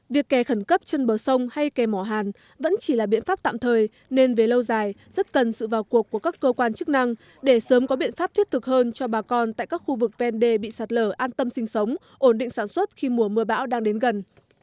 việc kè khẩn cấp chân bờ sông hay kè mỏ hàn vẫn chỉ là biện pháp tạm thời nên về lâu dài rất cần sự vào cuộc của các cơ quan chức năng để sớm có biện pháp thiết thực hơn cho bà con tại các khu vực ven đê bị sạt lở an tâm sinh sống ổn định sản xuất khi mùa mưa bão đang đến gần